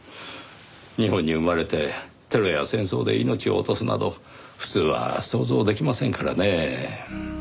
日本に生まれてテロや戦争で命を落とすなど普通は想像できませんからねぇ。